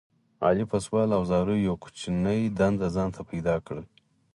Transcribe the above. علي په سوال او زاریو یوه کوچنۍ دنده ځان ته پیدا کړله.